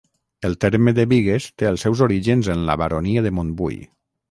El terme de Bigues té els seus orígens en la baronia de Montbui.